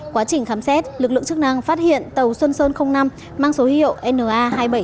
quá trình khám xét lực lượng chức năng phát hiện tàu xuân sơn năm mang số hiệu na hai nghìn bảy trăm chín mươi chín